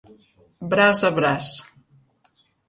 Braç a braç.